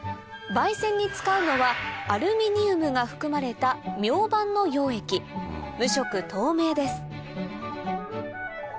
媒染に使うのはアルミニウムが含まれたミョウバンの溶液無色透明です